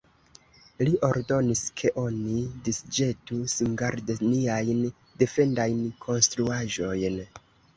Li ordonis, ke oni disĵetu singarde niajn defendajn konstruaĵojn.